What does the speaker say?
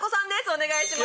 お願いします。